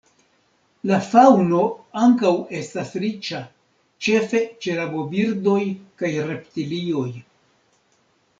La faŭno ankaŭ estas riĉa, ĉefe ĉe rabobirdoj kaj reptilioj.